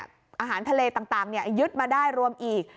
อาหารทะเลต่างยึดมาได้รวมอีก